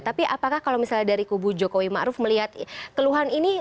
tapi apakah kalau misalnya dari kubu jokowi ma'ruf melihat keluhan ini